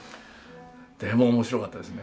でも面白かったですね。